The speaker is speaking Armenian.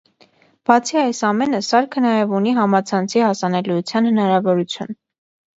Բացի այս ամենը սարքը նաև ունի համացանցի հասանելիության հնարավորություն։